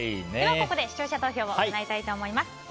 ではここで視聴者投票を行います。